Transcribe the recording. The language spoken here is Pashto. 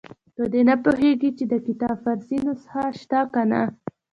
په دې نه پوهېږي چې د کتاب فارسي نسخه شته که نه.